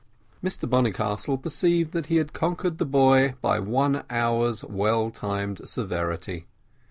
Mr Bonnycastle perceived that he had conquered the boy by one hour's well timed severity.